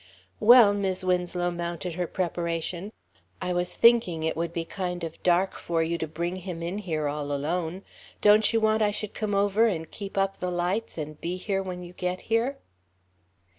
"Well," Mis' Winslow mounted her preparation, "I was thinking it would be kind of dark for you to bring him in here all alone. Don't you want I should come over and keep up the lights and be here when you get here?"